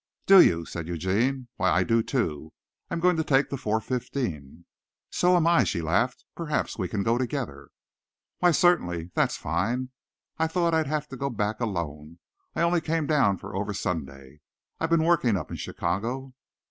"Do you?" said Eugene. "Why I do too. I'm going to take the four fifteen." "So am I!" she laughed. "Perhaps we can go together." "Why, certainly. That's fine. I thought I'd have to go back alone. I only came down for over Sunday. I've been working up in Chicago."